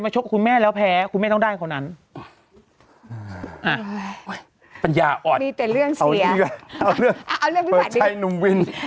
เอาเรื่องเอาเรื่องดีกว่าดีกว่าเปิดใจหนุ่มวิน